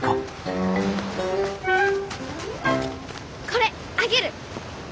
これあげる！